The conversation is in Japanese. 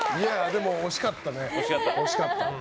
でも、惜しかったね。